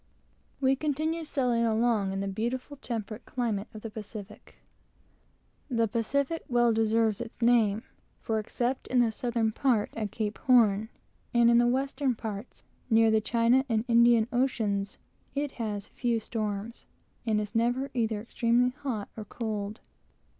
We continued sailing along in the beautiful temperate climate of the Pacific. The Pacific well deserves its name, for except in the southern part, at Cape Horn, and in the western parts, near the China and Indian oceans, it has few storms, and is never either extremely hot or cold.